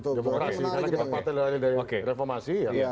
karena kita partai dari reformasi